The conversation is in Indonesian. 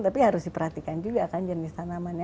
tapi harus diperhatikan juga kan jenis tanamannya